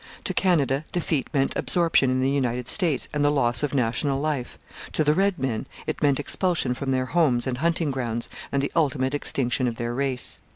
To Canada defeat meant absorption in the United States and the loss of national life; to the red men it meant expulsion from their homes and hunting grounds and the ultimate extinction of their race.